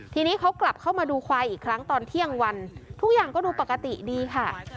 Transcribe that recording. ทีนี้เขากลับเข้ามาดูควายอีกครั้งตอนเที่ยงวันทุกอย่างก็ดูปกติดีค่ะ